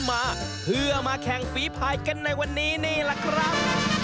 มาเพื่อมาแข่งฝีภายกันในวันนี้นี่แหละครับ